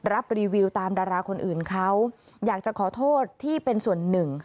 รับรีวิวตามดาราคนอื่นเขาอยากจะขอโทษที่เป็นส่วนหนึ่ง